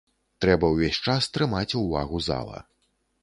Трэба ўвесь час трымаць увагу зала.